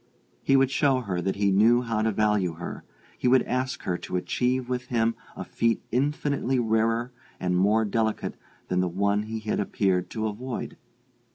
He would show her that he knew how to value her; he would ask her to achieve with him a feat infinitely rarer and more delicate than the one he had appeared to avoid.